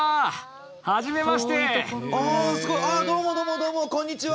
あどうもどうもどうもこんにちは。